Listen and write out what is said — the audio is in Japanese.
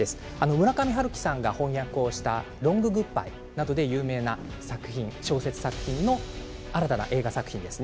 村上春樹さんが翻訳をした「ロング・グッドバイ」などで有名な作品小説作品の新たな映画作品です。